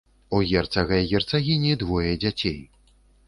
У герцага і герцагіні двое дзяцей.